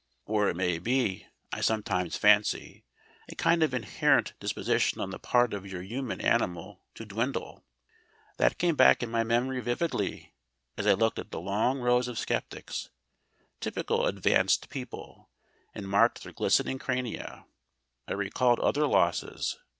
Or it may be, I sometimes fancy, a kind of inherent disposition on the part of your human animal to dwindle. That came back in my memory vividly as I looked at the long rows of Sceptics, typical Advanced people, and marked their glistening crania. I recalled other losses.